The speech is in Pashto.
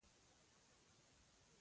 څو کتابونه پرې ډکېدای شي دا حقیقت دی.